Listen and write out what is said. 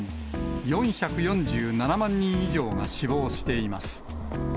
４４７万人以上が死亡しています。